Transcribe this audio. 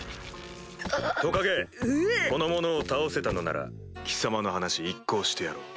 トカゲこの者を倒せたのなら貴様の話一考してやろう。